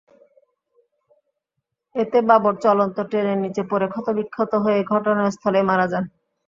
এতে বাবর চলন্ত ট্রেনের নিচে পড়ে ক্ষতবিক্ষত হয়ে ঘটনাস্থলেই মারা যান।